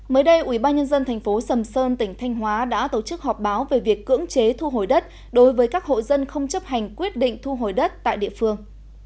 mới đây ubnd tp sầm sơn tỉnh thanh hóa đã tổ chức họp báo về việc cưỡng chế thu hồi đất đối với các hộ dân không chấp hành quyết định thu hồi đất tại địa phương